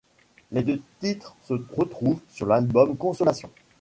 Les deux titres se retrouvent sur l'album Consolation.